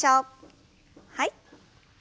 はい。